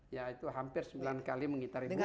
ya itu hampir sembilan kali mengitari dunia